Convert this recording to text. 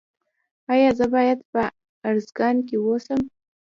ایا زه باید په ارزګان کې اوسم؟